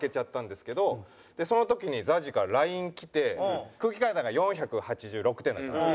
その時にＺＡＺＹからＬＩＮＥきて空気階段が４８６点だったかな。